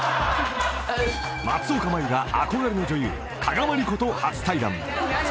［松岡茉優が憧れの女優加賀まりこと初対談］